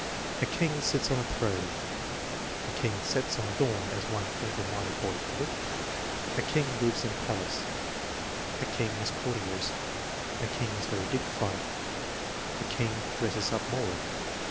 "A king sits on a throne." ("A king sets on a thorn" as one feeble minded boy put it!) "A king lives in a palace." "A king has courtiers." "A king is very dignified." "A king dresses up more."